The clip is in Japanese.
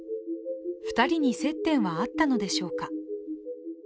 ２人に接点はあったのでしょうか。